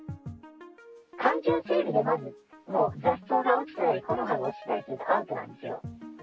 環境整備でまず、もう雑草が落ちてたり、木の葉が落ちたらもうアウトなんですよ。